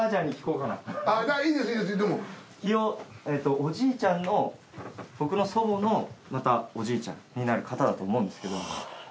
おじいちゃんの僕の祖母のまたおじいちゃんになる方だと思うんですけど。